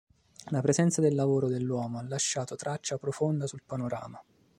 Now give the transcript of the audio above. La presenza del lavoro dell'uomo ha lasciato traccia profonda sul panorama.